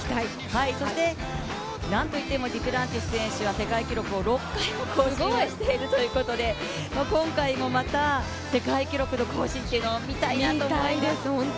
そしてなんといってもデュプランティス選手は世界記録を６回も更新しているということで今回もまた、世界記録の更新というのを見たいなと思います。